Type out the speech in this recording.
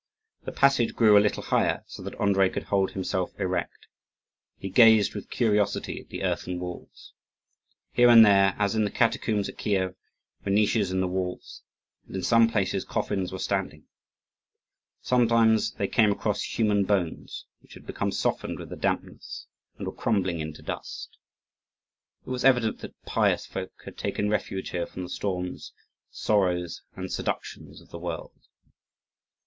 The passage grew a little higher, so that Andrii could hold himself erect. He gazed with curiosity at the earthen walls. Here and there, as in the catacombs at Kief, were niches in the walls; and in some places coffins were standing. Sometimes they came across human bones which had become softened with the dampness and were crumbling into dust. It was evident that pious folk had taken refuge here from the storms, sorrows, and seductions of the world.